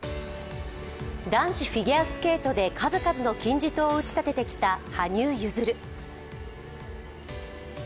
男子フィギュアスケートで数々の金字塔を打ちたててきた羽生結弦。